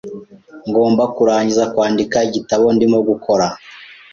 Ngomba kurangiza kwandika igitabo ndimo gukora.